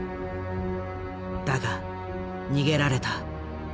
だが逃げられた。